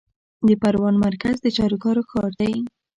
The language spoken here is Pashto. د پروان مرکز د چاریکارو ښار دی